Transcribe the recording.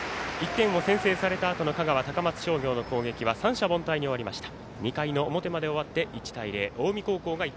１点を先制されたあとの２回表の香川、高松商業の攻撃は三者凡退に終わりました。